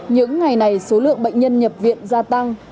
những ngày này số lượng bệnh nhân nhập viện gia tăng